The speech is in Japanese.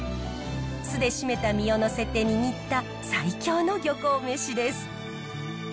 酢で締めた身をのせて握った最強の漁港めしです。